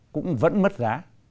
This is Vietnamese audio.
cũng vẫn mất giá